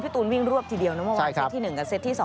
ตูนวิ่งรวบทีเดียวนะเมื่อวานเซตที่๑กับเซตที่๒